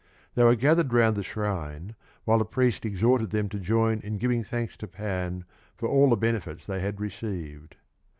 They were gathered round the shrine, while the priest exhorted them to join in giving thanks to Pan for all the benefits they had received.